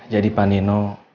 jadi pak nino